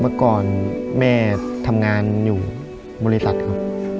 เมื่อก่อนแม่ทำงานอยู่บริษัทครับ